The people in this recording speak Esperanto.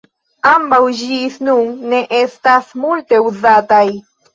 Ambaŭ ĝis nun ne estas multe uzataj.